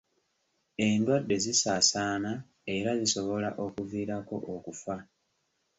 Endwadde zisaasaana era zisobola okuviirako okufa.